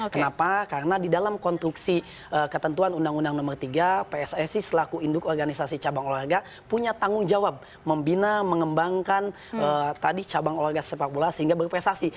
kenapa karena di dalam konstruksi ketentuan undang undang nomor tiga pssi selaku induk organisasi cabang olahraga punya tanggung jawab membina mengembangkan tadi cabang olahraga sepak bola sehingga berprestasi